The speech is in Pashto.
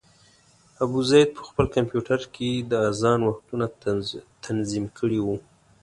ابوزید په خپل کمپیوټر کې د اذان وختونه تنظیم کړي وو.